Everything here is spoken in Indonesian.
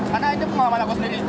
karena itu pengalaman aku sendiri